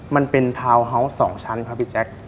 มันเป็นทาวน์เฮาส์๒ชั้นครับพี่แจ๊ค